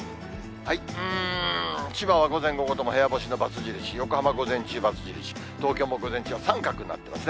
千葉は午前、午後とも部屋干しのばつ印、横浜、午前中ばつ印、東京も午前中は三角になってますね。